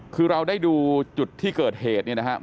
คือเราได้ดูจุดที่เกิดเหตุเนี่ยนะครับ